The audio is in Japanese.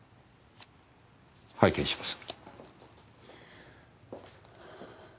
拝見します。